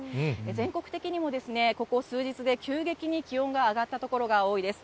全国的にもここ数日で急激に気温が上がった所が多いです。